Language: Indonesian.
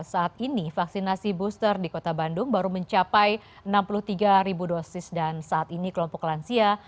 saat ini vaksinasi booster di kota bandung baru mencapai enam puluh tiga ribu dosis dan saat ini kelompok lansia